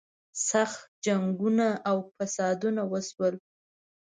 سخت جنګونه او فسادونه وشول.